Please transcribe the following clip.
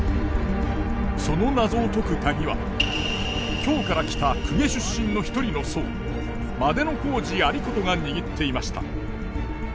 その謎を解くカギは京から来た公家出身の一人の僧万里小路有功が握っていました。